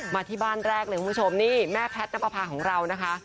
มาที่บ้านแรกเลยคุณผู้ชมนี่แม่แพทย์น้ำประพาของเรานะคะ